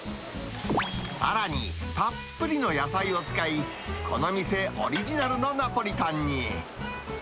さらに、たっぷりの野菜を使い、この店オリジナルのナポリタンに。